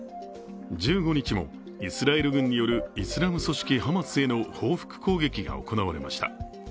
１５日もイスラエル軍によるイスラム組織ハマスへの報復攻撃が行われました。